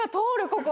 ここ。